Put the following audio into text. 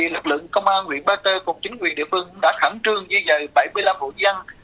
lực lượng công an huyện ba tơ cùng chính quyền địa phương đã khẩn trương dây dày bảy mươi năm vùng văn